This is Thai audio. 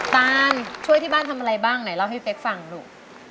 ตานช่วยที่บ้านทำอะไรบ้างไหนเล่าให้เป๊กฟังลูก